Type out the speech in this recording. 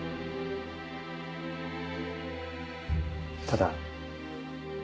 ただ。